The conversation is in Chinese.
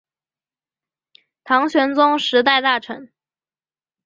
唐玄宗时代大臣。